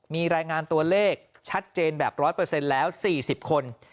มีรายงานตัวเลขชัดเจนแบบ๑๐๐แล้ว๔๐คน